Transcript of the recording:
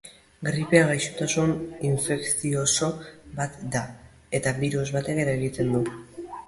Gripea gaixotasun infekzioso bat da, eta birus batek eragiten du.